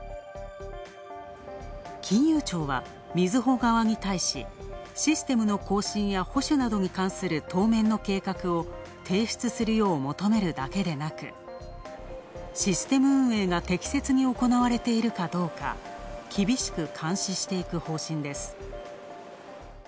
金融庁はみずほ側に対し、システムの更新や保守などに関する当面の計画を提出するよう求めるだけでなく、システム運営が適切に行われているかどうか厳しく監視していく方針です。